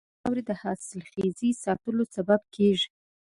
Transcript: کرنه د خاورې د حاصلخیز ساتلو سبب کېږي.